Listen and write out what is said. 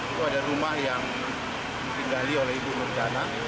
itu ada rumah yang ditinggali oleh ibu merdana